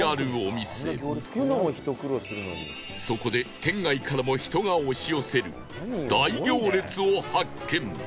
そこで県外からも人が押し寄せる大行列を発見